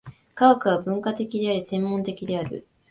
科学は分科的であり、専門的である。